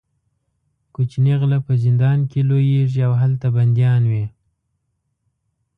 کوچني غله په زندان کې لویېږي او هلته بندیان وي.